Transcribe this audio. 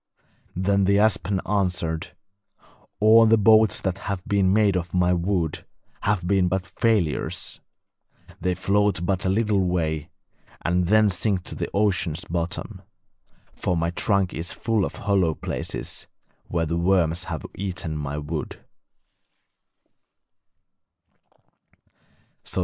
Then the aspen answered: 'All the boats that have been made of my wood have been but failures; they float but a little way, and then sink to the ocean's bottom, for my trunk is full of hollow places, where the worms have eaten my wood.'